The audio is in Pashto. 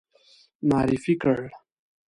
معرفي کړ.